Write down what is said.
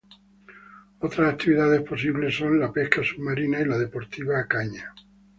Otras actividades posibles son la pesca submarina y la deportiva a caña